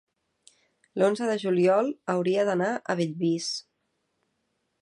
l'onze de juliol hauria d'anar a Bellvís.